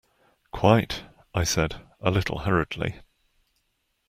"Quite," I said, a little hurriedly.